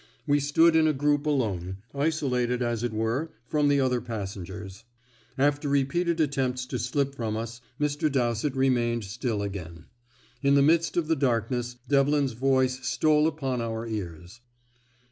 We stood in a group alone, isolated as it were, from the other passengers. After repeated attempts to slip from us, Mr. Dowsett remained still again. In the midst of the darkness Devlin's voice stole upon our ears.